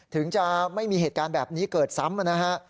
ถึงจะไม่มีเหตุการณ์แบบนี้เกิดซ้ำนะฮะ